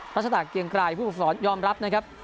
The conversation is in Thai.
รัชฎาเกียงกลายผู้ผู้สอนยอมรับนะครับ